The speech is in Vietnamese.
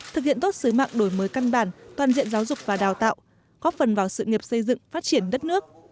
thực hiện tốt sứ mạng đổi mới căn bản toàn diện giáo dục và đào tạo góp phần vào sự nghiệp xây dựng phát triển đất nước